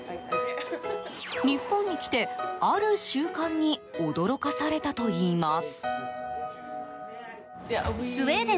日本に来て、ある習慣に驚かされたといいます。